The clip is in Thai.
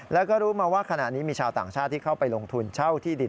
แล้วก็รู้มาว่าขณะนี้มีชาวต่างชาติที่เข้าไปลงทุนเช่าที่ดิน